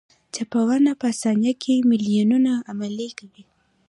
چپونه په ثانیه کې میلیونونه عملیې کوي.